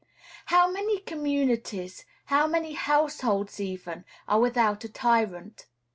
How many communities, how many households even, are without a tyrant?